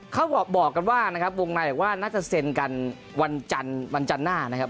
เขาบอกว่าวงนายว่าน่าจะเซ็นกันวันจันทร์หน้านะครับ